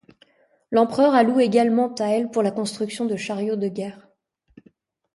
L'empereur alloue également taels pour la construction de chariots de guerre.